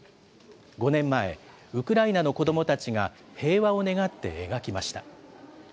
５年前、ウクライナの子どもたちが平和を願って描きました。